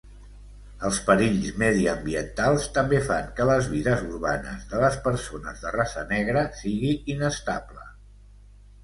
Els perills mediambientals també fan que les vides urbanes de les persones de raça negra sigui inestable.